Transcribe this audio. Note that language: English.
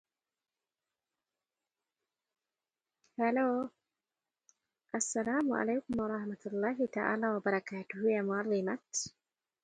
It hosts football matches and athletic competitions.